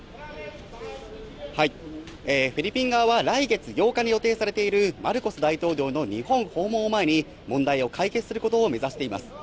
フィリピン側は、来月８日に予定されている、マルコス大統領の日本訪問を前に、問題を解決することを目指しています。